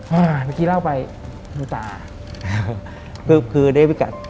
เมื่อกี้เล่าไปหนูตา